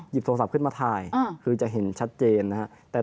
หยิบโทรศัพท์ขึ้นมาถ่ายคือจะเห็นชัดเจนนะ